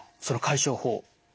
その解消法。